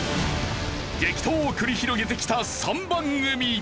激闘を繰り広げてきた３番組。